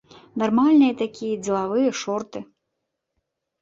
Нармальныя такія дзелавыя шорты!